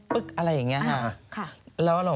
ปึ๊กอะไรอย่างนี้ค่ะ